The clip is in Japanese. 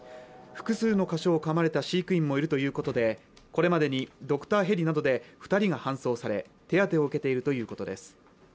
複数の箇所をかまれた飼育員もいるということでこれまでにドクターヘリなどで二人が搬送され手当てを受けているということです